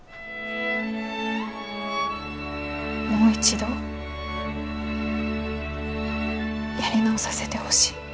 もう一度やり直させてほしい。